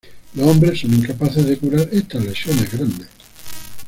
Los hombres son incapaces de curar estas lesiones grandes.